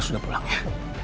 sudah pulang ya